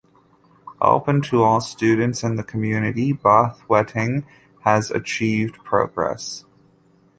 Open to all students in the community, Bahweting has achieved progress.